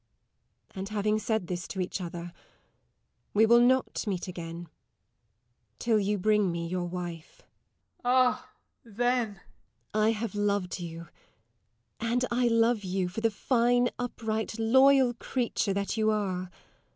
And, having said this to each other, we will not meet again till you bring me your wife. SIR GEOFFREY. Ah then! LADY TORMINSTER. I have loved you, and I love you, for the fine, upright, loyal creature that you are.